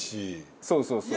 そうそうそう。